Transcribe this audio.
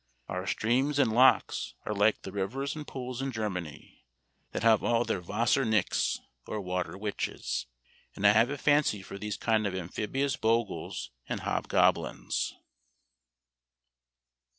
Our streams and lochs are like the rivers and pools in Germany, that have all their Wasser Nixe, or water witches, and I have a fancy for these kind of amphibious bogles and hobgoblins."